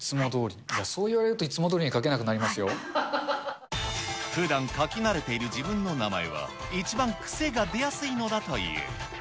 そう言われるといつもどおりに書ふだん書き慣れている自分の名前は、一番癖が出やすいのだという。